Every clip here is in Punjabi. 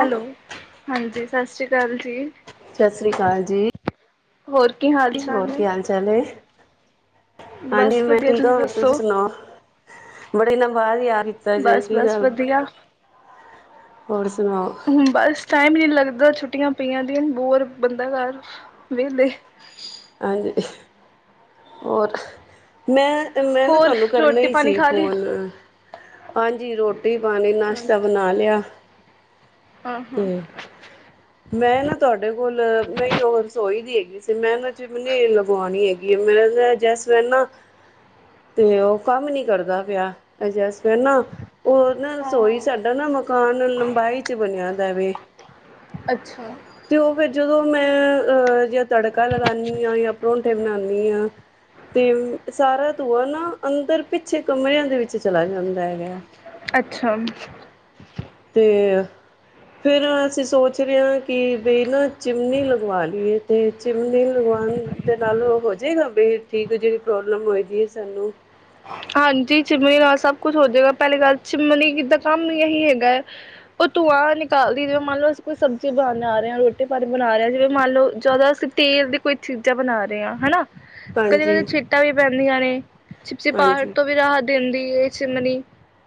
ਹੈਲੋ ਹਾਂਜੀ ਸਤਿ ਸ਼੍ਰੀ ਅਕਾਲ ਜੀ ਸਤਿ ਸ਼੍ਰੀ ਅਕਾਲ ਜੀ ਹੋਰ ਕੀ ਹਾਲ ਚਾਲ ਹੋਰ ਨੇ ਕੀ ਹਾਲ ਚਾਲ ਹੈ ਹਾਂਜੀ ਬਸ ਮੈਂ ਵਧੀਆ ਠੀਕ ਹਾਂ ਤੁਸੀਂ ਹੋਰ ਤੁਸੀ ਦੱਸੋ ਸੁਣਾਓ ਬੜੀ ਲਮ ਬਾਅਦ ਯਾਦ ਕੀਤਾ ਜੇ ਬਸ ਕੀ ਬਸ ਗੱਲ ਵਧੀਆ ਹੋਰ ਸੁਣਾਓ ਬਸ ਟਾਈਮ ਹੀ ਨਹੀਂ ਲੱਗਦਾ ਛੁੱਟੀਆਂ ਪਈਆਂ ਦੀਆਂ ਬੋਰ ਬੰਦਾ ਘਰ ਵਿੇਹਲੇ ਹਾਂਜੀ ਅਹ ਹੋਰ ਅਹ ਮੈਂ ਤੇ ਮੈਂ ਨਾ ਹੋਰ ਤੁਹਾਨੂੰ ਕਰਨਾ ਰੋਟੀ ਹੀ ਪਾਣੀ ਸੀ ਖਾ ਲਈ ਫੋਨਅ ਹਾਂਜੀ ਰੋਟੀ ਪਾਣੀ ਨਾਸ਼ਤਾ ਬਣਾ ਲਿਆ ਅ ਹ ਤੇ ਮੈਂ ਨਾ ਤੁਹਾਡੇ ਕੋਲ ਮੈਂ ਉਹ ਰਸੋਈ ਦੀ ਹੈਗੀ ਸੀ ਮੈਂ ਨਾ ਚਿਮਨ ਲਗਵਾਉਣੀ ਹੈਗੀ ਆ ਮੈਂ ਨਾ ਗੈਸ ਮੇਰਾ ਨਾ ਤੇ ਉਹ ਕੰਮ ਨੀ ਕਰਦਾ ਪਿਆ ਅਜੈਸ ਅ ਨਾ ਉਹ ਨਾ ਰਸੋਈ ਸਾਡਾ ਨਾ ਮਕਾਨ ਲੰਬਾਈ ਚ ਬਣਿਆਦਾ ਵੇ ਅੱਛਾ ਤੇ ਉਹ ਫੇਰ ਜਦੋਂ ਮੈਂ ਅਹ ਜ ਤੜਕਾ ਲਗਨੀ ਹਾਂ ਜਾਂ ਪਰੋਂਠੇ ਬਣਾਣੀ ਹਾਂ ਤੇ ਸਾਰਾ ਧੂੰਆ ਨਾ ਅੰਦਰ ਪਿੱਛੇ ਕਮਰਿਆਂ ਦੇ ਵਿੱਚ ਚਲਾ ਜਾਂਦਾ ਹੈਗਾ ਅੱਛਾ ਅਮ ਤੇ ਫਿਰ ਅਸੀਂ ਸੋਚ ਰਹੇ ਹਾਂ, ਕਿ ਬਈ ਨਾ ਚਿਮਨੀ ਲਗਵਾ ਲਈਏ, ਤੇ ਚਿਮਨੀ ਲਗਵਾਉਣ ਦੇ ਨਾਲ ਉਹ ਹੋ ਜਾਏਗਾ ਬਈ ਠੀਕ ਜਿਹੜੀ ਪ੍ਰੋਬਲਮ ਹੋਏਗੀ ਹੈ ਸਾਨੂੰ। ਹਾਂਜੀ, ਚਿਮਨੀ ਨਾਲ ਸਭ ਕੁਛ ਹੋ ਜਾਏਗਾ, ਪਹਿਲੀ ਗੱਲ ਚਿਮਨੀ ਦਾ ਕੰਮ ਇਹੀ ਹੈਗਾ ਹੈ, ਉਹ ਧੂੰਆਂ ਨਿਕਾਲ ਦੀ ਏ ਮੰਨ ਲਵੋ ਕੋਈ ਸਬਜ਼ੀ ਬਣਾ ਆ ਰਹੇ ਹਾਂ ਰੋਟੀ ਪਾਣੀ ਬਣਾ ਰਹੇ ਹਾਂ, ਜਿਵੇਂ ਮੰਨ ਲਓ ਜਿਆਦਾ ਅਸੀਂ ਤੇਲ ਦੀ ਕੋਈ ਚੀਜ਼ਾਂ ਬਣਾ ਰਹੇ ਹਾਂ ਹਨਾ ਕਦੇ -ਕਦੇ ਹਾਂਜੀ ਛਿੱਟਾ ਵੀ ਪੈਂਦੀਆਂ ਨੇ ਚਿਪ-ਚਿਪ। ਹਵਾੜ ਹਾਂਜੀ ਤੋਂ ਵੀ ਰਾਹਤ ਦਿੰਦੀ ਏ ਚਿਮਨੀ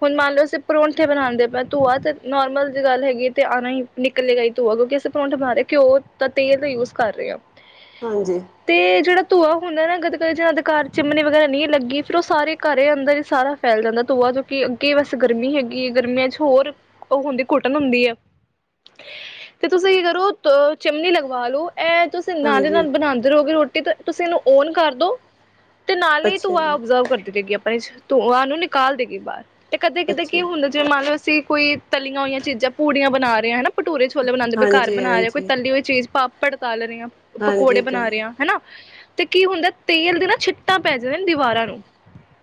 ਹੁਣ ਮੰਨ ਲਓ ਅਸੀਂ ਪਰੌਂਠੇ ਬਣਾਦੇ ਪਏ, ਧੂੰਆ ਤੇ ਨੋਰਮਲ ਜ ਗੱਲ ਹੈਗੀ ਤੇ ਆਣਾ ਹੀ ਨਿਕਲੇਗਾ ਹੀ ਧੂੰਆ ਕਿਉਂਕਿ ਅਸੀਂ ਪਰੌਂਠੇ ਬਣਾ ਰਹੇ, ਘਿਓ ਤਾਂ ਤੇਲ ਦਾ ਯੂਜ ਕਰ ਰਹੇ ਹਾਂ। ਹੇ ਹਾਂਜੀ ਤੇ ਜਿਹੜਾ ਧੂੰਆ ਹੁੰਦਾ ਨਾ, ਕਈ ਜੀਆ ਦੇ ਘਰ ਚਿਮਨੀ ਵਗੈਰਾ, ਨਹੀਂ ਲੱਗੀ ਫਿਰ ਉਹ ਸਾਰੇ ਘਰ ਅੰਦਰ ਹੀ ਸਾਰਾ ਫੈਲ ਜਾਂਦਾ ਧੂਆ ਜੋ ਕਿ ਅੱਗੇ ਵਸ ਗਰਮੀ ਹੈਗੀ ਹੈ, ਗਰਮੀਆਂ ਚ ਹੋਰ ਉਹ ਹੁੰਦੀ ਘੁਟਣ ਹੁੰਦੀ ਹੈ ਤੇ ਤੁਸੀਂ ਕੀ ਕਰੋ ਚਮਨੀ ਲਗਵਾ ਲਓ। ਇਹ ਤੁਸੀਂ ਨਾਲੇ ਹਾਂਜੀ ਨਾਲ ਬਣਾਉਂਦੇ ਰਹੋਗੇ ਰੋਟੀ ਤੇ ਤੁਸੀਂ ਇਹਨੂੰ ਓਨ ਕਰਦੋ ਤੇ ਨਾਲ ਹੀ ਅੱਛਾ ਧੂੰਆ ਜੀ ਆਪ [unintelligible] [unintelligible] ਧੂੰਆ ਨੂੰ ਨਿਕਾਲ ਦੇਗੀ ਬਾਹਰ। ਤੇ ਕਦੇ ਕਿਤੇ ਅੱਛਾ ਕੀ ਹੁੰਦਾ, ਜਿਵੇਂ ਮੰਨ ਲੋ ਸੀ ਜੇ ਕੋਈ ਤਲੀਆਂ ਹੋਈਆਂ ਚੀਜ਼ਾਂ ਪੂੜੀਆਂ ਬਣਾ ਰਹੇ ਹਾਂ ਹਨਾ ਭਟੂਰੇ ਛੋਲੇ ਬਣਾਉਦੇ ਪਏ, ਘਰ ਹਾਂਜੀ ਬਣਾ ਰਹੇ ਕੋਈੱ ਹਾਂਜੀ ਤਲੀ ਹੋਈ ਚੀਜ਼ ਪਾ ਤੜਕਾ ਲਗਾ ਰਹੇ ਆ, ਹਾਂਜੀ ਪਕੌੜੇ ਤਾਂ ਬਣਾ ਰਹੇ ਆ ਹੈਨਾ। ਤੇ ਕੀ ਹੁੰਦਾ, ਤੇਲ ਦੀ ਨਾ ਛਿੱਟਾਂ ਪੈ ਜਾਂਦੀ ਦੀਵਾਰਾਂ ਨੂੰ।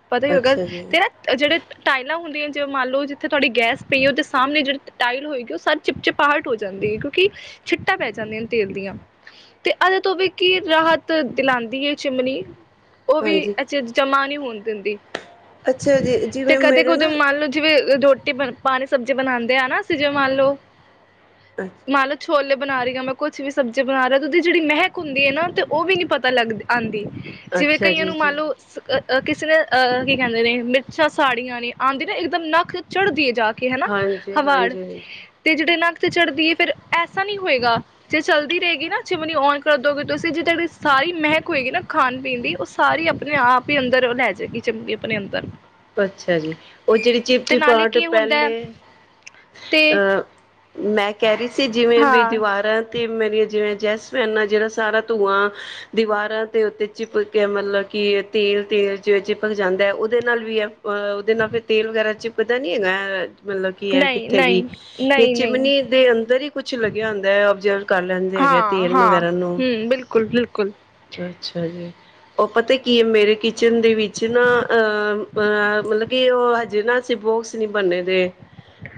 ਪਤਾ ਹੈ ਅਗਰ ਅੱਛਾ ਜੀ ਤੇ ਨਾ ਜਿਹੜੇ ਟਾਇਲਾਂ ਹੁੰਦੀਆਂ ਨ ਮੰਨ ਲਓ ਜਿੱਥੇ ਤੁਹਾਡੀ ਗੈਸ ਪਈ ਹੈ, ਉਹਦੇ ਸਾਹਮਣੇ ਜਿਹੜੀ ਟਾਇਲ ਹੋਏਗੀ, ਉਹ ਸਭ ਚਿਪਚਿਪਾਹਟ ਹੋ ਜਾਂਦੀ ਹੈ, ਕਿਉਂਕਿ ਛਿੱਟਾਂ ਪੈ ਜਾਂਦੀਆਂ ਨੇ ਤੇਲ ਦੀਆਂ ਤੇ ਓਦੇ ਤੋਂ ਵੀ ਕੀ ਰਾਹਤ ਦਿਲਾਂਦੀ ਏ ਚਿਮਨੀ। ਉਹ ਵੀ ਹਾਂਜੀ ਅਚਜ। ਜਮਾ ਨਹੀਂ ਹੋਣ ਦਿੰਦੀ, ਅੱਛਾ ਜੀ ਤੇ ਜਿਵੇਂ ਕਦੇ ਮੇਰੇ ਕੁਝ ਨਾ ਮੰਨ ਲਓ ਜਿਵੇਂ ਰੋਟੀ ਬਣ ਪਾਣੀ ਸਬਜ਼ੀ ਬਣਾਦੇ ਆ ਨਾ, ਅਸੀ ਜੀਵੇ ਮੰਨ ਲਓ। ਅੱ ਨਾਲੇ ਛੋਲੇ ਬਣਾ ਰਹੀ ਹਾਂ, ਮੈਂ ਕੁੱਛ ਵੀ ਸਬਜ਼ੀ ਬਣਾ ਰਹਾ ਤੇ ਉਹਦੀ ਜਿਹੜੀ ਮਹਿਕ ਹੁੰਦੀ ਹੈ ਨਾ ਤੇ ਉਹ ਵੀ ਨੀ ਪਤਾ ਲੱਗਦੀ ਆਂਦੀ। ਜਿਵੇਂ ਅੱਛਾ ਕਈਆਂ ਜੀ ਨੂੰ ਜੀ ਮੰਨ ਲੋ ਅ ਕਿਸੇ ਨੇ ਅ ਕੀ ਕਹਿੰਦੇ ਨੇ, ਮਿਰਚਾਂ ਸਾੜੀਆਂ ਨੇ ਆਂਦੀ ਨਾ ਇੱਕਦਮ ਨੱਕ ਚੜ੍ਹਦੀ ਏ ਜਾ ਕੇ। ਕੇ ਹੈ ਨਾ ਹਾਂਜੀ ਹਵਾੜ ਹਾਂਜੀ ਤੇ ਜਿਹੜੇ ਨਾਂ ਤੇ ਚੜ੍ਹਦੀ ਏ ਫਿਰ ਐਸਾ ਨਹੀਂ ਹੋਏਗਾ, ਜੇ ਚਲਦੀ ਰਹੇਗੀ ਨਾ ਚਿਮਨੀ ਔਨ ਕਰਦੋਗੇ, ਤੁਸੀਂ ਜੇ ਤੁਹਾਡੀ ਸਾਰੀ ਮਹਿਕ ਹੋਏਗੀ ਨਾ ਖਾਣ, ਪੀਣ ਦੀ ਉਹ ਸਾਰੀ ਅਪ ਅਪਣੇ ਆਪ ਹੀ ਅੰਦਰ ਉਹ ਲੈ ਜਾਏਗੀ, ਚਿਮਨੀ ਆਪਣੇ ਅੰਦਰ। ਅੱਛਾ ਜੀ, ਉਹ ਜਿਹੜੀ ਤੇ ਨਾਲੇ ਚਿਪਚਿਪਾਹਟ ਕੀ ਹੁੰਦਾ ਹੈ ਪਹਿਲੇ ਤੇ ਅਹ ਮੈਂ ਕਹਿ ਰਹੀ ਸੀ, ਜਿਵੇਂ ਬਈ ਹਾਂ ਦੀਵਾਰਾਂ ਤੇ ਮੇਰੀਆਂ ਜਿਵੇਂ ਜੈਸ ਏ ਨਾ ਜਿਹੜਾ ਸਾਰਾ ਧੂੰਆਂ ਦੀਵਾਰਾਂ ਤੇ ਉੱਤੇ ਚਿਪਕ ਕੇ ਮਤਲਬ ਕਿ ਤੇਲ ਤੇਲ ਜ ਚਿਪਕ ਜਾਂਦਾ ਹੈ ਉਹਦੇ ਨਾਲ ਵੀ ਯਾ ਓ ਉਹਦੇ ਨਾਲ ਫਿਰ ਤੇਲ ਵਗੈਰਾ ਚਿਪਦਾ ਨੀ ਹੈਗਾ। ਮਤਲਬ ਕੀ ਹੈ ਨਹੀਂ ਕਿੱਥੇ ਨਹੀਂ ਵੀ ਇਹ ਨਹੀਂ ਨਹੀਂ ਚਿਮਨੀ ਦੇ ਅੰਦਰ ਹੀ ਕੁਛ ਲੱਗਿਆ ਹੁੰਦਾ ਐ ਓਬਜਰਵ ਕਰ ਲੈਂਦਾ ਹੈਗੇ ਹਾਂ ਤੇਲ ਹਾਂ ਵਹੈਰਾ ਨੂੰ। ਹਮ ਬਿਲਕੁਲ ਬਿਲਕੁਲ ਅੱਛਾ ਜੀ, ਉਹ ਪਤਾ ਕੀ ਏ ਮੇਰੇ ਕਿਚਨ ਦੇ ਵਿੱਚ ਨਾਂ ਅ ਅੰ ਅਹ ਹ ਮਤਲਬ ਕਿ ਉਹ ਹਜੇ ਨਾ ਅਸੀ ਬੋਕਸ ਨੀ ਬੰਨੇ ਦੇ।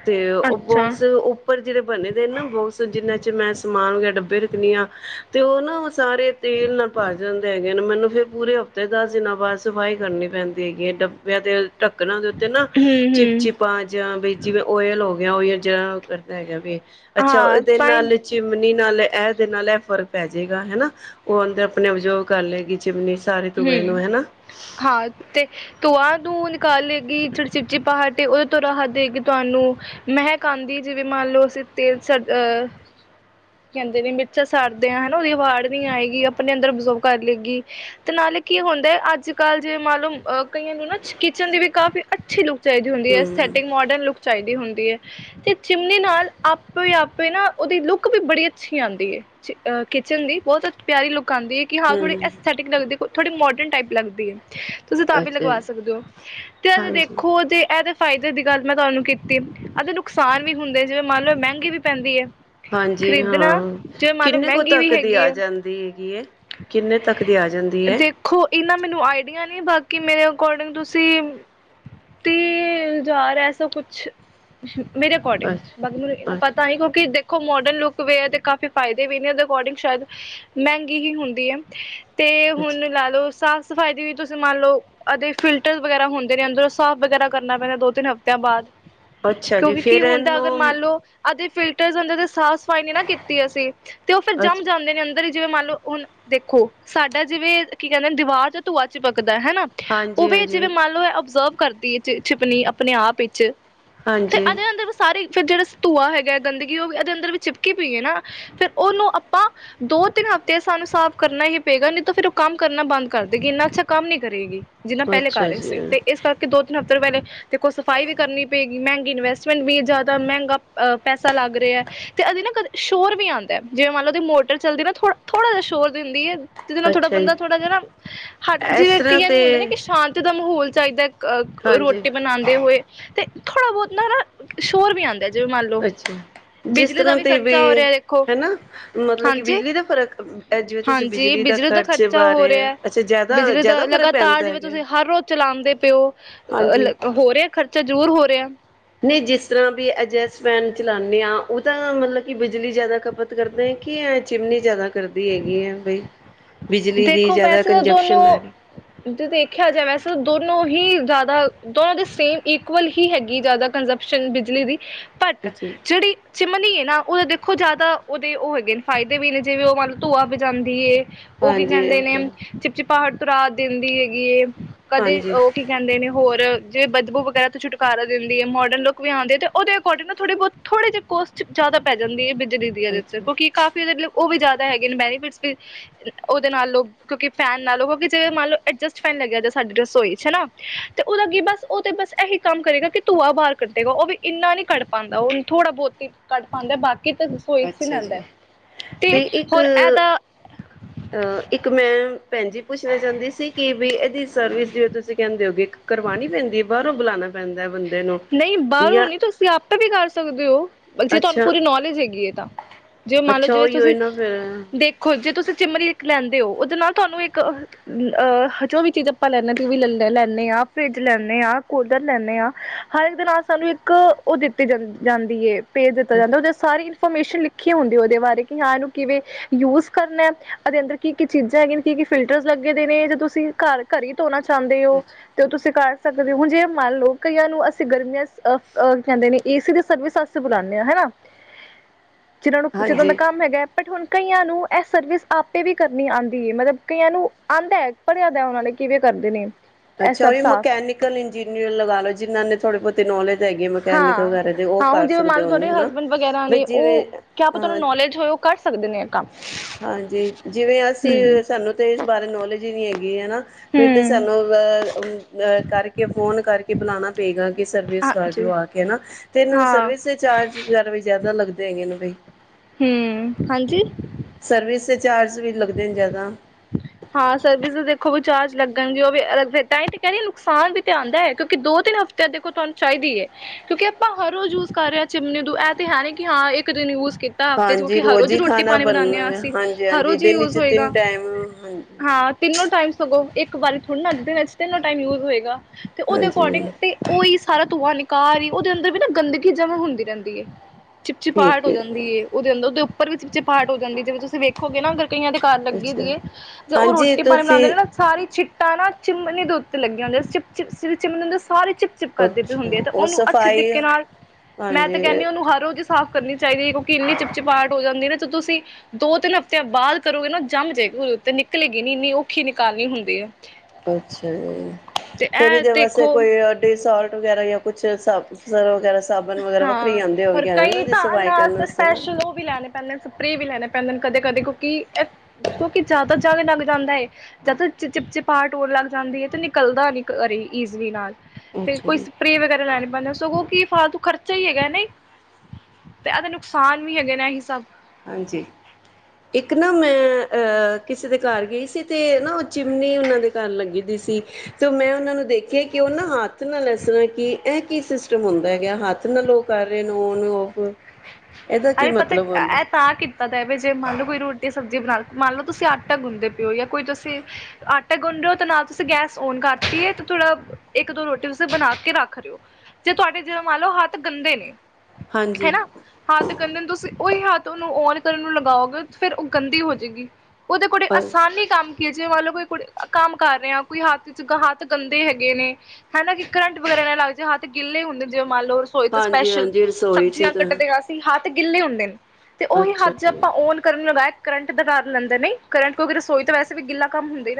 ਤੇ ਉਹ ਅੱਛਾ ਬਾਕਸ ਉੱਪਰ ਜਿਹੜੇ ਬਣੇ ਦੇ ਨਾ ਬੋਕਸ ਜਿਨਾਂ ਚ ਮੈਂ ਸਮਾਨ ਯਾਂ ਡੱਬੇ ਰੱਖਣੀ ਆ ਤੇ ਉਹ ਨਾ ਉਹ ਸਾਰੇ ਤੇਲ ਨਾਲ ਭਰ ਜਾਂਦੇ ਹੈਗੇ ਨੇ ਮੈਨੂੰ ਫੇਰ ਪੂਰੇ ਹਫ਼ਤੇ ਦਸ ਦਿਨਾਂ ਬਾਅਦ ਸਫ਼ਾਈ ਕਰਨੀ ਪੈਂਦੀ ਹੈਗੀ ਏ ਡੱਬਿਆ ਦੇ ਢੱਕਣਾ ਦੇ ਉੱਤੇ ਨਾ ਹਮ ਹਮ ਚਿਪਚਿਪਾ ਜਾਂ ਬਈ ਜਿਵੇਂ ਓਇਲ ਹੋ ਯਾਂ ਉਹੀ ਏ ਜਿਹਾ ਕਰਦਾ ਹੈਗਾ ਵੇ। ਅੱਛਾ ਹਾਂ ਉਹਦੇ ਤਾਂ ਹੀ ਨਾਲ ਚਿਮਨੀ ਨਾਲ ਏ। ਇਹਦੇ ਨਾਲ ਇਹ ਫ਼ਰਕ ਪੈ ਜੇਗਾ ਹਨਾ ਉਹ ਅੰਦਰ ਆਪਣੇ ਉਪਯੋਗ ਕਰ ਲਏਗੀ ਚਿਮਨੀ ਸਾਰੇ ਧੂੰਏ ਨੂੰ ਹੂੰ ਹਨਾ ਹਾਂ ਤੇ ਤੂੰ ਆ ਧੂੰ ਨਿਕਾਲ ਲੇਗੀ ਚਿੜ ਚਿੜਚੀ ਪਹਾੜ ਤੇ ਉਹਦੇ ਤੋਂ ਰਾਹਤ ਦੇਗੀ ਤੁਹਾਨੂੰ ਮਹਿਕ ਆਂਦੀ ਜਿਵੇਂ ਮੰਨ ਲਓ ਅਸੀਂ ਤੇਲ ਸੜ ਅਹ ਕਹਿੰਦੇ ਨੇ ਮਿਰਚਾਂ ਸੜਦੇ ਹਾਂ ਹਨਾ ਉਹਦੀ ਵਵਾੜ ਨ ਆਏਗੀ ਆਪਣੇ ਅੰਦਰ ਓਬਜੋਰਵ ਕਰ ਲਗੀ। ਤੇ ਨਾਲੇ ਕੀ ਹੁੰਦੈ ਹੈ ਅੱਜ ਕੱਲ੍ਹ ਜੇ ਮੰਨ ਲੋ ਅਂ ਕਈਆਂ ਨੂੰ ਨਾ ਕਿਚਨ ਦੀ ਵੀ ਕਾਫੀ ਅੱਛੀ ਲੁੱਕ ਚਾਈਦੀ ਹੁੰਦੀ ਹੈ ਹੂੰ ਸੈਟਿੰਗ ਮੋਡਰਨ ਲੁੱਕ ਚਾਈਦੀ ਹੁੰਦੀ ਹੈ। ਤੇ ਚਿਮਨੀ ਨਾਲ ਆਪੇ-ਆਪੇ ਨਾ ਉਹਦੀ ਲੁੱਕ ਵੀ ਬੜੀ ਅੱਛੀ ਆਉਂਦੀ ਹੈ। ਚਿ ਅਹ ਕਿਚਨ ਦੀ ਬਹੁਤ ਪਿਆਰੀ ਲੁੱਕ ਆਦੀ ਹੈ ਕਿ ਹਾਂ ਥੋੜੀ ਹੂੰ ਅਸਥੈਟਿਕ ਲਗਦੇ ਥੋੜੀ ਮੋਡਰਨ ਟਾਈਪ ਲਗਦੀ ਹੈ। ਤੁਸੀਂ ਤਾਂ ਵੀ ਅੱਛਾ ਜੀ ਲਗਵਾ ਸਕਦੇ ਹੋ ਤੇ ਅਜੇ ਹਾਂਜੀ ਦੇਖੋ ਜੇ ਇਹਦੇ ਫਾਇਦੇ ਦੀ ਗੱਲ ਮੈਂ ਤੁਹਾਨੂੰ ਕੀਤੀ ਅਤੇ ਨੁਕਸਾਨ ਵੀ ਹੁੰਦੇ ਜਿਵੇਂ ਮੰਨ ਲਓ ਮਹਿੰਗੀ ਵੀ ਪੈਂਦੀ ਏ। ਹਾਂਜੀ ਹਾਂ ਕਿੰਨੇ ਕੁ ਮਹਿੰਗੀ ਵੀ ਤੱਕ ਦੀ ਹੈਗੀ ਆ ਜਾਂਦੀ ਹੈਗੀ ਹੈ ਕਿੰਨੇ ਤੱਕ ਦੀ ਆ ਜਾਂਦੀ। ਹੈ ਦੇਖੋ ਇਹਨਾ ਮੈਨੂੰ ਆਈਡੀਆ ਨੀ ਬਾਕੀ ਮੇਰੇ ਅਕੋਰਡਿੰਗ ਤੁਸੀਂ ਤੇਹ ਹਜ਼ਾਰ ਐਸਾ ਕੁਛ ਮੇਰੇ ਅਕੋਡਿਂਗ ਬਾਕੀ ਮੈਨੂੰ ਅੱਛਾ ਇੰਨਾ ਪਤਾ ਅੱਛਾ ਹੀ ਕਿਉਂਕਿ ਦੇ ਦੇਖੋ ਮੋਡਰਨ ਲੁੱਕ ਵੀੇ ਹੈ ਅਤੇ ਕਾਫੀ ਫਾਇਦੇ ਵੀ ਨੇ ਉਹਦੇ ਅਕੋਰਡਿੰਗ ਸ਼ਾਇਦ ਮਹਿੰਗੀ ਹੀ ਹੁੰਦੀ ਹੈ ਤੇ ਹੁਣ ਅੱਛਾ ਲੈ ਲਓ [unintelligible] ਸਫ਼ਾਈ ਦੀ ਵੀ ਤੁਸੀਂ ਮੰਨ ਲਓ ਅਤੇ ਫਿਲਟਰ ਵਗੈਰਾ ਹੁੰਦੇ ਨੇ ਅੰਦਰੋਂ ਸਾਫ਼ ਵਗੈਰਾ ਕਰਨਾ ਪੈਂਦਾ ਦੋ ਤਿੰਨ ਹਫ਼ਤਿਆਂ ਬਾਅਦ। ਅੱਛਾ ਜੀ ਕਿਉਂਕਿ ਕੀ ਫਿਰ ਹੁੰਦਾ ਅਗਰ ਇਹਨੂੰ ਮੰਨ ਲਓ ਅਦੇ ਫਿਲਟਰਸ ਸਾਫ ਸਫਾਈ ਨੇ ਨਾ ਕੀਤੀ ਅਸੀ ਤੇ ਉਹ ਫੇਰ ਜੰਮ ਅੱਛਾ ਜਾਂਦੇ ਨੇ ਅੰਦਰ ਜਿਵੇ ਮੰਨ ਲਓ ਹੁਣ ਦੇਖੋ ਸਾਡੇ ਜਿਵੇ ਕੀ ਕਹਿੰਦੇ ਦੀਵਾਰ ਚ ਧੂਆ ਚਿਪਕ [unintelligible] ਹਨਾ ਹਾਂਜੀ ਉਹਵੇ ਜਿਵੇ ਹਾਂਜੀ ਮੰਨ ਲਓ ਇਹ ਅਬਜ਼ਰਵ ਕਰਦੀ ਹੈ। ਛਿਪਣੀ ਆਪਣੇ ਆਪ ਵਿੱਚ ਤੇ ਹਾਂਜੀ ਅਦੇ ਅੰਦਰ ਵੀ ਸਾਰੇ ਫਿਰ ਜਿਹੜਾ ਧੂਆ ਹੈਗਾ ਗੰਦਗੀ ਉਹ ਵੀ ਇਹਦੇ ਅੰਦਰ ਵੀ ਚਿਪਕੀ ਪਈਏ ਨਾ ਫੇਰ ਉਹਨੂੰ ਆਪਾਂ ਦੋ-ਤਿੰਨ ਹਫਤੇ ਸਾਨੂੰ ਸਾਫ ਕਰਨਾ ਹੀ ਪਏਗਾ ਤਾਂ ਫੇਰ ਉਹ ਕੰਮ ਕਰਨਾ ਬੰਦ ਕਰ ਦੇਗੀ ਇੰਨਾ ਅੱਛਾ ਕੰਮ ਨੀ ਕਰੇਗੀ। ਜਿੰਨਾ ਪਹਿਲੇ ਕਰ ਅੱਛਾ ਰਹੇ ਜੀ ਸੀ ਤੇ ਇਸ ਕਰਕੇ ਦੋ-ਤਿੰਨ [unintelligible] ਦੇਖੋ ਸਫ਼ਾਈ ਵੀ ਕਰਨੀ ਪਏਗੀ ਮਹਿੰਗੀ ਇਨਵੈਸਟਮੈਂਟ ਵੀ ਜ਼ਿਆਦਾ ਮਹਿੰਗਾ ਪੈਸਾ ਲੱਗ ਰਿਹਾ ਹੈ ਤੇ ਕਦੇ ਨਾ ਕਦੇ ਸ਼ੋਰ ਵੀ ਆਦਾ ਜਿਵੇ ਮੰਨ ਲਓਦੀ ਮੋਟਰ ਚੱਲਦੀ ਨਾ ਥੋ ਥੋੜਾ ਜਿਹਾ ਸ਼ੋਰ ਦਿੰਦੀ ਹੈ। ਜਿਦੇ ਨਾਲ ਥੋੜਾ ਅੱਛਾ ਜੀ ਬੰਦਾ ਥੋੜਾ ਜਾ ਨਾ ਹਟ ਇਸ ਜਿਵੇ ਤਰ੍ਹਾਂ ਕਈਆਂ ਨੂੰ ਤੇ ਹੁੰਦੇ ਨਾ ਕਿ ਸ਼ਾਂਤ ਦਾ ਮਾਹੌਲ ਚਾਹੀਦਾ ਅ ਹਾਂਜੀ ਰੋਟੀ ਬਣਾਦੇ ਹੋਏ ਤੇ ਥੋੜ੍ਹਾ ਬਹੁਤ ਨਾ ਸ਼ੋਰ ਵੀ ਆਦਾ। ਅੱਛਾ ਜਿਸ ਤਰ੍ਹਾਂ ਤੇ ਵੀ ਖਰਚਾ ਹੋ ਰਿਹਾ ਦੇਖੋ ਹਨਾ ਮਤਲਬ ਕਿ ਹਾਂਜੀ ਬਿਜਲੀ ਦਾ ਫ਼ਰਕ ਜਿਵੇਂ ਤੁਸੀਂ ਹਾਂਜੀ ਬਿਜਲੀ ਦਾ ਖਰਚ ਖਰਚਾ ਹੋ ਬਾਰੇ ਰਿਹਾ, ਅੱਛਾ ਜ਼ਿਆਦਾ ਬਿਜਲੀ ਦਾ ਜ਼ਿਆਦਾ ਫ਼ਰਕ ਲਗਾਤਾਰ ਪੈਂਦਾ ਜਿਵੇ ਹੈਗਾ ਤੁਸੀ ਹਰ ਰੋਜ਼ ਚਲਾਉਂਦੇ ਪਏ ਹੋ ਰਿਹਾ ਖਰ ਜ਼ਰੂਰ ਹੋ ਰਿਹਾ। ਨਹੀ ਜਿਸ ਤਰ੍ਹਾਂ ਵੀ ਅਜੇਸ ਫੈਨ ਚਲਾਉਦੇ ਹਾਂ ਉਹ ਤਾਂ ਮਤਲਬ ਕਿ ਬਿਜਲੀ ਜ਼ਿਆਦਾ ਖਪਤ ਕਰਦੇ ਕੀ ਚਿਮਨੀ ਜ਼ਿਆਦਾ ਕਰਦੀ ਹੈਗੀ ਹੈ ਬਈ? ਬਿਜਲੀ ਦੀ ਦੇਖੋ ਜ਼ਿਆਦਾ ਵੈਸੇ ਤਾਂ ਦੋਨੋ, ਕੰਜਪਸ਼ਨ ਹੈ ਦੇਖਿਆ ਜਾ ਵੈਸੇ ਤਾਂ ਦੋਨੋ ਹੀ ਜ਼ਿਆਦਾ ਦੋਨੋ ਦੇ ਸੇਮ ਇਕੁਵਲ ਹੀ ਹੈਗੀ ਜ਼ਿਆਦਾ ਕੰਜਪਸ਼ਨ ਬਿਜਲੀ ਦੀ ਭੱਟ ਅੱਛਾ ਜਿਹੜੀ ਚਿਮਨੀ ਹੈ ਨਾ, ਉਹਦੇ ਜ਼ਿਆਦਾ ਉਹਦੇ ਉਹ ਹੈਗੇ ਨੇ ਫਾਇਦੇ ਵੀ ਨੇ, ਜਿਵੇਂ ਉਹ ਮੰਨ ਲੋ ਧੂੰਆ ਵੀ ਬਚਾਂਦੀ ਏ। ਉਹ ਕੀ ਕਹਿੰਦੇ ਹਾਂਜੀ ਨੇ ਚਿਪਚਿਪਾਹਟ ਰਾਤ ਦਿੰਦੀ ਹੈਗੀ ਏ। ਕਦੇ ਹਾਂਜੀ ਉਹ ਕੀ ਕਹਿੰਦੇ ਨੇ ਹੋਰ ਜੇ ਬਦਬੂ ਵਗੈਰਾ ਤ ਛੁਟਕਾਰਾ ਦਿੰਦੀ ਹੈ, ਮਾਡਰਨ ਲੁਕ ਵੀ ਆਦੀ ਹੈ, ਤੇ ਉਹਦੇ ਅਕੋਰਿੰਗ ਥੋੜੀ ਬਹੁਤ ਥੋੜੇ ਜਿ ਕੋਸਟ ਜਾਦਾ ਪੈ ਜਾਂਦੀ ਹੈ। ਦੀ ਅੱਛਾ। ਕਿਉਂਕਿ [inaudible] ਕਾੀ ਉਹ ਵੀ ਜਾਦਾ ਹੈਗੇ ਨੇ ਬੈਨੀਫਿਟਸ ਵੀ ਉਹਦੇ ਨਾਲ ਲੋਕ ਕਿਉਂਕਿ ਫੈਨ ਨਾਲੋਂ ਕਿਉਂਕਿ ਜੇਂ ਮੰਨ ਲਓ ਐਗਜ਼ਾਸਟ ਫੈਨ ਲੱਗਿਆ ਸਾਡੀ ਰਸੋਈ ਚ, ਹੈਨਾ ਤੇ ਉਹਦਾ ਕੀ ਬਸ ਉਹ ਤੇ ਬਸ ਇਹੀ ਕੰਮ ਕਰੇਗਾ ਕਿ ਧੂਆ ਬਾਹਰ ਕੱਢੇਗਾ, ਉਹ ਵੀ ਇੰਨਾ ਨੀ ਕੱਢ ਪਾਉਂਦਾ, ਉਹ ਥੋੜਾ ਬਹੁਤ ਹੀ ਕੱਢ ਪਾਉਂਦਾ ਬਾਕੀ ਕਿਤੇ ਰਸੋਈ ਚ ਹੀ ਨਾ ਅੱਛਾ ਆਦਾ, ਜੀ। ਤੇ ਹੋਰ ਇਹਦਾ ਅਹ ਇੱਕ ਮੈਂ ਭੈਣਜੀ ਪੁੱਛਣਾ ਚਾਹਦੀ ਸੀ ਕਿ ਵੀ ਇਹਦੀ ਸਰਵਿਸ ਜ ਤੁਸੀਂ ਕਹਿੰਦੇ ਹੋ, ਕਰਵਾਉਣੀ ਪੈਂਦੀ ਹੈ, ਬਾਹਰੋਂ ਬੁਲਾਉਣਾ ਪੈਂਦਾ ਬੰਦਾ ਨਹੀਂ ਬਾਹਰੋਂ ਨਹੀਂ ਤੁਸੀਂ ਆਪੇ ਵੀ ਕਰ ਸਕਦੇ ਹੋ, ਜੇ ਤੁਹਾਨੂੰ ਅੱਛਾ ਪੂਰੀ ਨੌਲੇਜ ਹੈਗੀ ਹੈ ਤਾਂ ਜੇਂ ਔ ਮੰਨ ਅੱਛਾ ਜਾਏ, ਉਹੀ ਹੋਈ ਤੁਸੀਂ ਨਾ ਫਿਰ ਦੇਖੋ ਜੇ ਤੁਸੀਂ ਚਿਮਰੀ ਇੱਕ ਲੈਂਦੇ ਹੋ ਉਹਦੇ ਨਾਲ ਤੁਹਾਨੂੰ ਇੱਕ ਅਹ ਜੋ ਵੀ ਚੀਜ਼ ਆਪਾਂ ਲੈਂਦੇ ਹਾਂ ਵੀ ਲ ਲੈਂਦੇ ਹਾਂ ਫਰਿਜ ਲੈਦੇ ਹਾਂ ਕੂਲਰ ਲੈਦੇ ਹਾਂ ਹਰ ਇੱਕ ਦੇ ਨਾਲ ਸਾਨੂੰ ਇੱਕ, ਉਹ ਦਿੱਤੀ ਜਾਂ ਜਾਂਦੀ ਏ। ਭੇਜ ਦਿੱਤਾ ਜਾਂਦਾ, ਉਹਦੇ ਸਾਰੀ ਫੋਰਮੇ ਲਿਖੀ ਹੁੰਦੀਓਦੇ ਬਾਰੇ ਕਿ ਹਾਂ ਇਹਨੂੰ ਕਿਵੇਂ ਯੂਜ ਕਰਨਾ ਐਦੇ ਅੰਦਰ ਕੀ ਕੀ ਚੀਜ਼ਾਂ ਹੈਗ ਕੀ ਕੀ ਫਿਲਟਰ ਲੱਗੇ ਨੇ ਜ ਤੁਸੀਂ ਘਰ ਘਰ ਹੀ ਧੋਣਾ ਚਾਹੁੰਦੇ ਹੋ ਤੇ ਉਹ ਤੁਸੀਂ ਕਰ ਸਕਦੇ ਹੋ ਹੁਣ ਜੇ ਮੰਨ ਲਓ ਕਈਆਂ ਨੂੰ ਅਸੀਂ ਗਰਮੀਆਂ ਅਹ ਕਹਿੰਦੇ ਨੇ, ਏ ਸੀ ਦੀ ਸਰਵਿਸ ਵਾਸਤੇ ਬੁਲਾਉਂਦੇ ਆਂ ਹੈਨਾ। ਜਿਹਨਾਂ ਨੂੰ ਜਿੱਦੋਂ ਦਾ ਹਾਂਜੀ। ਕੰਮ ਹੈਗਾ, ਬਟ ਹੁਣ ਕਈਆਂ ਨੂੰ ਇਹ ਸਰਵਿਸ ਆਪੇ ਵੀ ਕਰਨੀ ਆਉਂਦੀ ਹੈ, ਮਤਲਬ ਕਈਆਂ ਨੂੰ ਆਉਂਦਾ ਹੈ ਪਰੜ੍ਹਿਆਦਾ ਉਹਨਾਂੇ ਕਿਵੇਂ ਕਰਦੇ ਨੇ। ਇਹ ਅੱਛਾ ਸਭ ਔਹੀ ਸਾਫ਼ ਮਕੈਨੀਕਲ ਇੰਜੀਨੀਅਰ ਲਗਾ ਲੋ, ਜਿਨ੍ਹਾਂ ਨੇ ਥੋੜੇ ਬਹੁਤ ਹਾਂ ਹਾਂ ਹੁਣ ਕਰ ਜਿਵੇਂ ਮੰਨ ਸਕਦੇ ਲਓ ਤੁਹਾਡੇ ਹੋਣਗੇ ਹਨਾ ਹਸਬੈਂਡ ਵਗੈਰਾ ਵੀ ਨੇ ਜਿਵੇਂ ਉਹ ਕਿਆ ਪਤਾ ਉਹ ਨਾ ਅ ਨੂੰ ਨੌਲੇਜ ਹੋਏ ਉਹ ਕਰ ਸਕਦੇ ਨੇ ਐ ਕੰਮ। ਹਾਂਜੀ ਜਿਵੇਂ ਹਮ ਅਸੀਂ, ਸਾਨੂੰ ਤਾਂ ਇਸ ਬਾਰੇ ਨੌਲੇਜ ਹੀ ਨਹੀਂ ਹੈਗੀ। ਕੀ ਹੈ ਨਾ ਫਿਰ ਤੇ ਹਮ ਸਾਨੂੰ ਅਹ ਅ ਕਰਕੇ ਫੋਨ ਕਰਕੇ ਬੁਲਾਣਾ ਪਏਗਾ ਕਿ ਸਰਵਿਸ ਚਾਰਜ ਹਾਂਜੀ ਔ ਕੇ ਨਾ, ਤੇ ਇਹਨਾਂ ਨੂੰ ਹਾਂ ਸਰਵਿਸ ਦੇ ਚਾਰਜ ਜ਼ਿਆਦਾ ਲੱਗਦੇ ਹੈਗੇ ਨੇ, ਬਈ ਹੂ ਹਾਂਜੀ ਸਰਵਿਸ ਚਾਰਜ ਵੀ ਲੱਗਦੇ ਨੇ ਜ਼ਿਆਦਾ। ਹਾਂ ਸਰਵਿਸ ਦੇ ਦੇਖੋ ਵੀ ਚਾਰਜ ਲੱਗਣਗੇ ਉਹ ਵੀ ਅਲੱਗ ਦੇ ਤਾਈਂ ਤਾਂ ਕਹਿਣੀ ਹਾਂ ਨੁਕਸਾਨ ਵੀ ਤੇ ਆਉਂਦਾ ਹੈ ਕਿਉਕਿ ਦੋ ਤਿੰਨ ਹਫਤੇ ਦੇਖੋ ਤੁਹਾਨੂੰ ਚਾਹੀਦੀ ਹੈ ਕਿਉਂਕਿ ਆਪਾਂ ਹਰ ਰੋਜ਼ ਯੂਜ ਕਰ ਰਹੇ ਹਾਂ ਚਿਮਨੇ ਇਹ ਤੇ ਹੈ ਤੇ ਹੈਂ ਨਹੀਂ ਕਿ ਹਾਂ ਇੱਕ ਦਿਨ ਯੂਜ ਕੀਤਾ ਹਫ਼ਤੇ ਚ ਹਾਂਜੀ ਕਿਉਂਕਿ ਹਰ ਰੋਜ਼ ਹੀ ਰੋਟੀ ਖਾਣਾ ਪਾਣੀ ਬਣਾਉਂਦੇ ਹਾਂ ਬਣਨਾ ਅਸੀਂ ਹਾਂਜੀ ਹਰ ਹਾਂਜੀ ਰੋਜ਼ ਦਿਨ ਯੂਜ ਵਿੱਚ ਤਿੰਨ ਹੋਏਗਾ ਟਾਈਮ ਹਾਂਜੀ ਹਾਂ ਤਿੰਨੋ ਟਾਈਮ ਸਗੋਂ ਇੱਕ ਵਾਰੀ ਥੋੜੀ ਨਾ ਅੱਧੇ ਵਿੱਚ ਤੇ ਤਿੰਨ ਟਾਈਮ ਯੂਜ ਹੋਏਗਾ। ਤੇ ਉਹਦੇ ਅਕੋਡਿੰਗ ਹਾਂਜੀ ਤੇ ਉਹੀ ਸਾਰਾ ਧੂੰਆਂ ਨਿਕਲ ਕਾਰ ਹੀ ਉਹਦੇ ਅੰਦਰ ਵੀ ਨਾ ਗੰਦਗੀ ਜਮ੍ਹਾਂ ਹੁੰਦੀ ਰਹਿੰਦੀ ਹੈ। ਚਿਪਚਿਪਾਹਟ ਹੋ ਜਾਂਦੀ ਹੈ ਉਹਦੇ ਅੰਦਰ ਉਹਦੇ ਉੱਪਰ ਵੀ ਚਿਪਚਿਪਾਹਟ ਹੋ ਜਾਂਦੀ ਜਿਵੇਂ ਤੁਸੀ ਵੇਖੋਗੇ ਨਾ ਉਹਦਾ ਕਈਆਂ ਦੇ ਘਰ ਲੱਗੇ ਅੱਛਾ ਦੀ ਏ ਜੇ ਉਹ ਹਾਂਜੀ ਰੋਟੀ ਪਾਣੀ ਬਣਾਉਂਦੇ ਤੁਸੀਂ ਨੇ ਨਾ ਸਾਰੀ ਛਿੱਟਾਂ ਨਾ ਚਿਮਨੇ ਦੇ ਉੱਤੇ ਲੱਗਿਆ ਹੁੰਦਾ ਚਿਪ ਚਿਪ ਫੇਰ ਚਿਮਨੀ ਦਾ ਸਾਰੇ ਚਿਪ ਚਿਪ ਕਰਦੇ ਪਏ ਹੁੰਦੇ ਆ ਅੱਛਾ ਤੇ ਉਹ ਉਹਨੂੰ ਅੱਛੇ ਸਫਾਈ ਤਰੀਕੇ ਨਾਲ ਮੈਂ ਤਾਂ ਹਾਂਜੀ ਕਹਿੰਦੀ ਉਹਨੂੰ ਹਰ ਰੋਜ਼ ਹੀ ਸਾਫ਼ ਕਰਨੀ ਚਾਹੀਦੀ ਹੈ ਕਿਉਂਕਿ ਇੰਨੀ ਚਿਪ ਚਿਪਾਹਟ ਹੋ ਜਾਂਦੀ ਹੋ ਜਾਂਦੀ ਹੈ ਨਾ ਤੁਸੀਂ ਦੋ ਤਿੰਨ ਹਫ਼ਤਿਆਂ ਬਾਅਦ ਕਰੋਗੇ ਨਾ ਜੰਮ ਜਾਏਗਾ ਉਹਦੇ ਉੱਤੇ ਨਿਕਲੇਗੀ ਨੀ ਇੰਨੀ ਔਖੀ ਨਿਕਾਲਣੀ ਹੁੰਦੀ ਹੈ। ਅੱਛਾ ਜੀ ਤੇ ਫੇਰ ਇਹ ਇਹਦੇ ਵਾਸਤੇ ਦੇਖੋ ਕੋਈ ਡਾਸਾਇਟ ਵਗੈਰਾ ਜਾਂ। ਕੁਛ ਸਰਫ ਵਗੈਰਾ। ਸਾਬਣ ਵਗੈਰਾ ਵੱਖਰੇ ਹਾਂ ਹੀ ਆਉਂਦੇ ਹੋਰ ਹੋਣਗੇ ਹਨਾ ਨਾ ਕਈ ਜੀ ਤਾਂ ਸਫਾਈ ਅਨਾਸ ਕਰਨ ਵਾਸਤੇ ਨਾ। ਸਪੈਸ਼ਲ ਉਹ ਵੀ ਲੈਣੇ ਪੈਂਦੇ ਸਪਰੇ ਵੀ ਲੈਣੇ। ਪੈਂਦੇ ਨੇ ਕਦੇ ਕਦੇ ਕਿਉਂਕਿ ਇਹ ਕਿਉਂਕਿ ਜਿਆਦਾ ਜੰਗ ਲੱਗ ਜਾਂਦਾ ਹੈ ਜਿਆਦਾ ਚਿਪਚਿਪਾ ਹੋਣ ਲੱਗ ਜਾਂਦੀ ਹੈ ਤੇ ਨਿਕਲਦਾ ਨੀ ਕਈ ਵਾਰ ਈਜਲੀ ਨਾਲ। ਤੇ ਅੱਛਾ ਕੋਈ ਜੀ। ਸਪਰੇਅ ਵਗੈਰਾ ਲੈਣੇ ਪੈਂਦੇ ਹੈ। ਸਗੋਂ ਕੀ ਫਾਲਤੂ। ਖਰਚਾ ਹੀ ਹੈਗਾ ਨਹੀਂ ਤੇ ਇਹਦੇ ਨੁਕਸਾਨ ਵੀ ਹੈਗੇ ਨੇ ਇਹੀ ਸਭ? ਹਾਂਜੀ ਇੱਕ ਨਾ ਮੈਂ ਅਹ ਕਿਸੇ ਦੇ ਘਰ ਗਈ ਸੀ ਤੇ ਨਾ ਉਹ ਚਿਮਨੀ ਉਹਨਾਂ ਦੇ ਘਰ ਲੱਗੀ ਦੀ ਸੀ ਤੇ ਮੈਂ ਉਹਨਾਂ ਨੂੰ ਦੇਖਿਆ ਕਿ ਉਹ ਨਾ ਹੱਥ ਨਾਲ ਇਸ ਤਰ੍ਹਾਂ ਕੀ ਇਹ ਕੀ ਸਿਸਟਮ ਹੁੰਦਾ ਹੈਗਾ ਹੱਥ ਨਾਲ ਉਹ ਕਰ ਰਹੇ ਨੇ ਉਹਨੂੰ ਉਹ? ਇਹਦਾ ਕੀ ਅਰੇ ਪਤਾ ਮਤਲਬ ਹੁੰਦਾ? ਇਹ ਤਾਂ ਕੀਤਾ ਦਾ ਵੀ ਜੇ ਮੰਨ ਲਓ ਕੋਈ ਰੋਟੀ ਸਬਜ਼ੀ ਬਣਾਉਦਾ? ਮੰਨ ਲਓ ਤੁਸੀਂ ਆਟਾ ਗੁੰਨ ਦੇ ਪਏ ਹੋ ਜਾਂ ਕੋਈ ਤੁਸੀਂ ਆਟਾ ਗੁੰਨ ਰਹੇ ਹੋ ਤੇ ਨਾਲ ਤੁਸੀਂ ਗੈਸ? ਓਨ ਕਰਤੀਏ ਤੇ ਥੋੜਾ। ਇੱਕ ਦੋ ਰੋਟੀ ਤੁਸੀਂ ਬਣਾ ਕੇ ਰੱਖ ਰਹੇ ਹੋ ਜੇ ਤੁਹਾਡੇ ਮੰਨ ਲੋ ਲਓ ਹੱਥ ਗੰਦੇ ਨੇ? ਹਾਂਜੀ। ਹਨਾ। ਹੱਥ ਗੰਦੇ ਤੁਸੀਂ ਉਹੀ ਹੱਥ ਉਹਨੂੰ ਓਨ ਕਰਨ ਨੂੰ ਲਗਾਓਗੇ ਫੇਰ ਉਹ ਗੰਦੀ ਹੋ ਜੇਗੀ? ਉਹਦੇ ਕੋੜੇ ਆਸਾਨੀ ਕੰਮ। ਕਿ ਜੇਂ ਮੰਨ ਲਓ ਕੋਈ ਕੁੜੀ ਕੰਮ ਕਰ ਰਹੇ ਆ ਕੋਈ ਹੱਥ ਚ ਹੱਥ ਗੰਦੇ ਹੈਗੇ ਨੇ ਹਨਾ ਕਿ ਕਰੰਟ ਵਗੈਰਾ ਨਾ ਲੱਗ ਜਾ ਹੱਥ ਗਿੱਲੇ ਹੁੰਦੇ ਜੇ? ਮੰਨਲੋ ਰਸੋਈ ਤੇ ਹਾਂਜੀ ਸਪੈਸ਼ਲ ਹਾਂਜੀ ਰਸੋਈ ਚ ਸਬਜ਼ੀਆਂ ਤਾਂ ਕੱਟ ਦੇ। ਹੱਥ ਗਿੱਲੇ ਹੁੰਦੇ ਨੇ। ਤੇ ਉਹੀ ਅੱਛਾ ਹੱਥ ਦੇ ਜੀ। ਆਪਾਂ ਓਨ ਕਰਨ ਲਗਾਇਆ। ਕਰੰਟ ਦਾ ਕਾਰਨ ਲੈਂਦੇ ਨੇ ਕਰੰਟ ਕੋ ਰਸੋਈ ਤਾਂ ਵੈਸੇ ਵੀ ਗਿੱਲਾ ਕੰਮ ਹੁੰਦੇ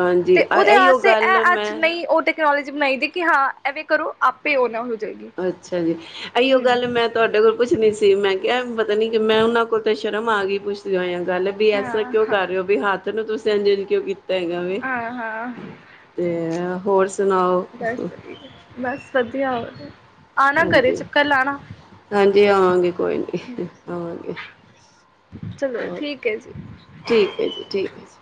ਹਾਂਜੀ ਤੇ ਆ ਇਹੀਓ ਉਹਦੇਸ ਇਹ ਗੱਲ ਅੱਜ ਮੈਂ ਨਹੀਂ ਉਹ ਉਹਦੇ ਤੇ ਹੋਰ ਬਣਾਈ ਦੇ ਕਿ ਹਾਂ ਐਵੇਂ ਕਰੋ ਆਪੇ ਉਹ ਨਾ ਹੋ ਜਾਏਗੀ। ਅੱਛਾ ਜੀ ਅਹੀ ਉਹ ਗੱਲ ਹੂੰ ਮੈਂ ਤੁਹਾਡੇ ਕੋਲ ਪੁੱਛਣੀ ਸੀ ਸੀ ਮੈਂ ਕਿਹਾ ਪਤਾ ਨੀ ਕਿ ਮੈਂ ਉਹਨਾਂ ਕੋਲ ਤਾਂ ਸ਼ਰਮ ਆ ਗਈ ਪੁੱਛਦੀ ਹੋਇਆ ਗੱਲ ਵੀ ਐਸਾ ਹਾਂ ਕਿਉਂ ਹਾਂ। ਕਰ ਰਹੇ ਹੋ ਵੀ ਹੱਥ ਤਲੋਂ ਤੁਸੀਂ ਕਿਉਂ ਕੀਤਾ ਵੀ ਹਾਂ ਹਾਂ ਤੇ ਹੋਰ ਸੁਣਾਓ ਵਦਿਆ ਹੋ ਹਾਂਜੀ ਹਾਂਜੀ ਆਵਾਂਗੇ ਕੋਈ ਨਹੀਂ ਆਵਾਂਗੇ ਚਲੋ ਹੋਰ ਠੀਕ ਹੈ ਜੀ ਠੀਕ ਹੈ ਜੀ ਠੀਕ ਹੈ ਜੀ